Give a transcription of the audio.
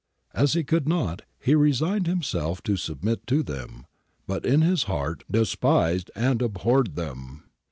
As he could not, he resigned himself to submit to them, but in his heart despised and abhorred them.